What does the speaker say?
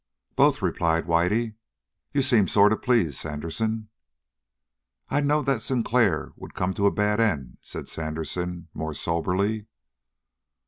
"Both," replied Whitey. "You seem sort of pleased, Sandersen?" "I knowed that Sinclair would come to a bad end," said Sandersen more soberly.